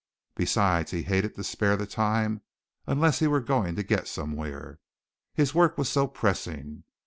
Besides he hated to spare the time unless he were going to get somewhere. His work was so pressing.